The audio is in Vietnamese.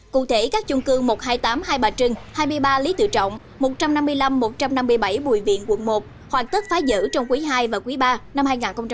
cụ thể các chung cư một trăm hai mươi tám hai bà trưng hai mươi ba lý tự trọng một trăm năm mươi năm một trăm năm mươi bảy bùi viện quận một hoàn tất phá rỡ trong quý ii và quý ba năm hai nghìn hai mươi